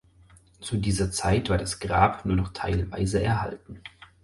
Zu dieser Zeit war das Grab nur noch teilweise erhalten.